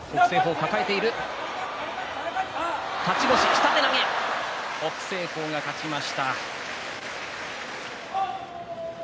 下手投げ、北青鵬が勝ちました。